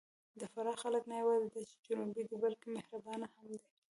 د فراه خلک نه یواځې دا چې جنوبي دي، بلکې مهربانه هم دي.